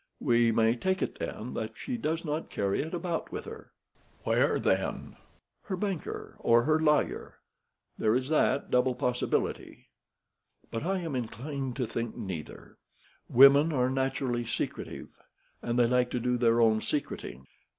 We may take it, then, that she does not carry it about with her." "Where, then?" "Her banker or her lawyer. There is that double possibility. But I am inclined to think neither. Women are naturally secretive, and they like to do their own secreting.